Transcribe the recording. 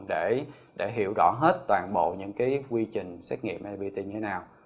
để hiểu rõ hết toàn bộ những cái quy trình xét nghiệm nipt như thế nào